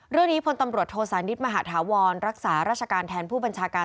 พลตำรวจโทสานิทมหาธาวรรักษาราชการแทนผู้บัญชาการ